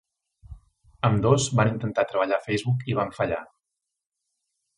Ambdós van intentar treballar a Facebook i van fallar.